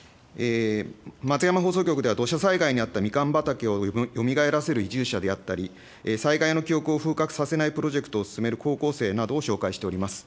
松山放送局では、土砂災害に遭ったミカン畑をよみがえらせる移住者であったり、災害の記憶を風化させないプロジェクトを進める高校生などを紹介しております。